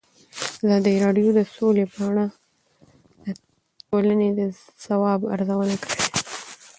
ازادي راډیو د سوله په اړه د ټولنې د ځواب ارزونه کړې.